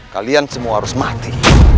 kalian semua harus mati